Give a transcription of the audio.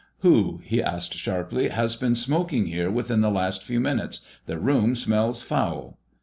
"Who," he asked sharply, "has been smoking here within the last few minutes? The room smells foul!"